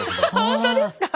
本当ですか。